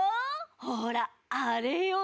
「ほらあれよね？